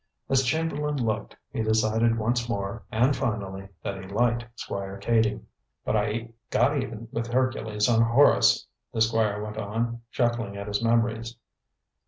As Chamberlain looked, he decided once more, and finally, that he liked Squire Cady. "But I got even with Hercules on Horace," the squire went on, chuckling at his memories.